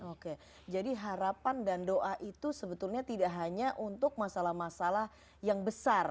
oke jadi harapan dan doa itu sebetulnya tidak hanya untuk masalah masalah yang besar